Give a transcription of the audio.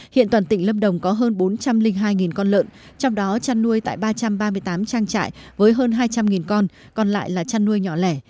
hiện toàn tỉnh lâm đồng có hơn bốn trăm linh hai con lợn trong đó chăn nuôi tại ba trăm ba mươi tám trang trại với hơn hai trăm linh con còn lại là chăn nuôi nhỏ lẻ